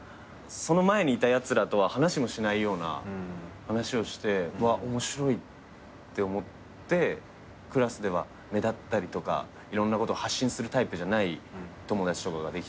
その前にいたやつらとは話もしないような話をしてうわっ面白いって思ってクラスでは目立ったりとかいろんなことを発信するタイプじゃない友達とかができたりとかして。